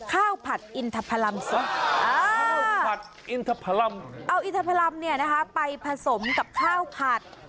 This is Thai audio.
เอาอินทะพะลำเนี่ยนะคะไปผสมกับข้าวผัด